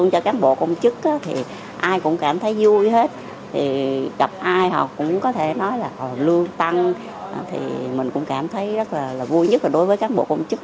vui nhất là đối với các bộ công chức